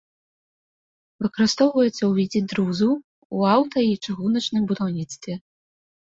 Выкарыстоўваецца ў відзе друзу ў аўта- і чыгуначным будаўніцтве.